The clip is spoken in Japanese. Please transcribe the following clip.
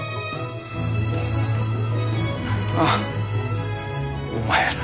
ああお前ら。